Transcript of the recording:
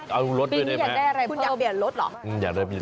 เอาลดด้วยได้ไหมครับคุณอยากได้รถหรอปีนี้อยากได้อะไร